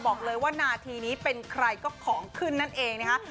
บอกเลยว่านาทีนี้เป็นใครก็ของขึ้นนั่นเองนะคะ